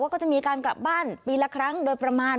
ก็จะมีการกลับบ้านปีละครั้งโดยประมาณ